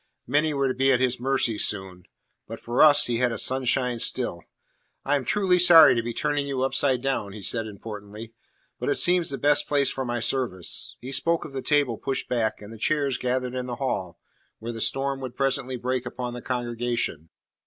Many were to be at his mercy soon. But for us he had sunshine still. "I am truly sorry to be turning you upside down," he said importantly. "But it seems the best place for my service." He spoke of the table pushed back and the chairs gathered in the hall, where the storm would presently break upon the congregation.